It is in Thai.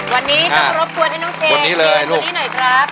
วันนี้ต้องรบกวนให้น้องเชนเดี๋ยวสวัสดีหน่อยครับ